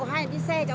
hai là đi xe cháu ạ